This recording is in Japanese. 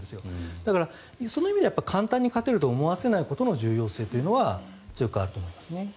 だから、その意味では簡単に勝てると思わせないことの重要性というのは強くあると思いますね。